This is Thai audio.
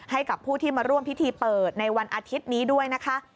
ให้กับผู้ที่มาร่วมพิธีเปิดในวันอาทิตย์นี้ด้วยนะคะ